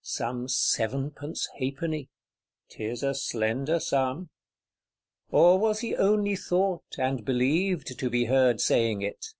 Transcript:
Some sevenpence halfpenny: 'tis a slender sum! Or was he only thought, and believed, to be heard saying it?